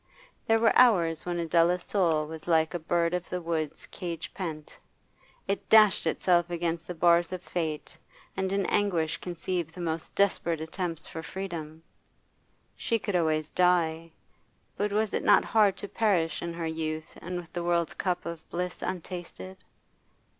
There were hours when Adela's soul was like a bird of the woods cage pent: it dashed itself against the bars of fate, and in anguish conceived the most desperate attempts for freedom. She could always die, but was it not hard to perish in her youth and with the world's cup of bliss untasted?